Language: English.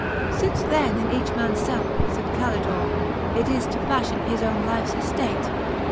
XXXI. Since then in each man's felf, faid Calidore^ It is, to falhion his owne lyfes eftate.